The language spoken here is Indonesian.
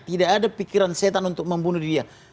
tidak ada pikiran setan untuk membunuh dia